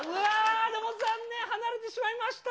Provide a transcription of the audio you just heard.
でも残念、離れてしまいました。